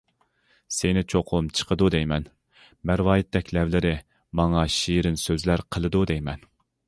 سېنى چوقۇم چىقىدۇ دەيمەن، مەرۋايىتتەك لەۋلىرى ماڭا شېرىن سۆزلەر قىلىدۇ دەيمەن.